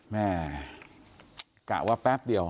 แม่กะว่าแป๊บเดียว